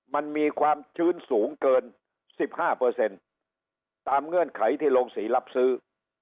มันมีความชื้นสูงเกินสิบห้าเปอร์เซ็นต์ตามเงื่อนไขที่ลงสีรับซื้อ